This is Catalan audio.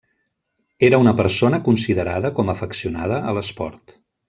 Era una persona considerada com afeccionada a l’esport.